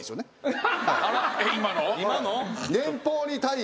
・今の？